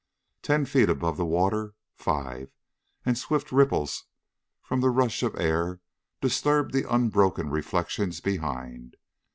Ten feet above the water. Five and swift ripples from the rush of air disturbed the unbroken reflections behind.